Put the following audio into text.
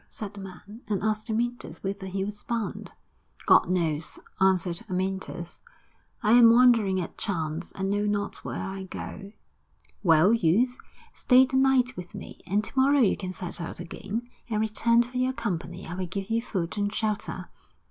said the man, and asked Amyntas whither he was bound. 'God knows!' answered Amyntas. 'I am wandering at chance, and know not where I go.' 'Well, youth, stay the night with me, and to morrow you can set out again. In return for your company I will give you food and shelter.'